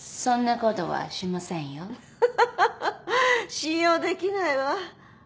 信用できないわ。